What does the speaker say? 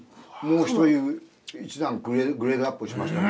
もう一段グレードアップしましたね。